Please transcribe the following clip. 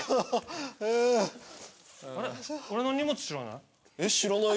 俺の荷物知らない？